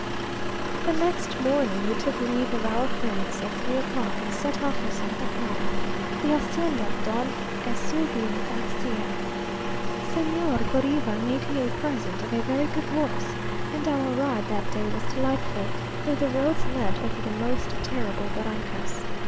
The next morning we took leave of our friends at three o'clock, and set off for Santa Clara, the hacienda of Don Eusebio Garcia. Señor Goriva made me a present of a very good horse, and our ride that day was delightful, though the roads led over the most terrible barrancas.